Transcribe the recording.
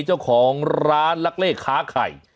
เจ้าของร้านลักเล่ค้าไข่